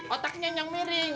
otaknya yang miring